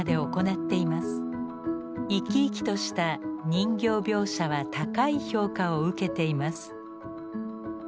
生き生きとした人形描写は高い評価を受けています。